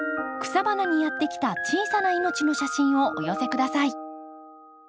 草花にやって来た小さな命の写真をお寄せ下さい。